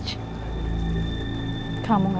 kamu gak akan bisa membunuhku